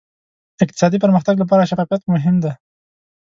اقتصادي پرمختګ لپاره شفافیت مهم دی.